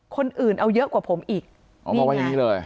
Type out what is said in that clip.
คนอื่นเอาเยอะกว่าผมอีกอ๋อบอกว่าอย่างนี้เลย